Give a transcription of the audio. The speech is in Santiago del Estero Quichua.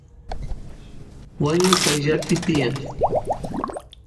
wañu qayllapi tiyan